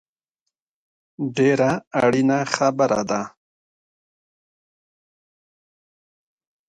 ډېره اړینه خبره ده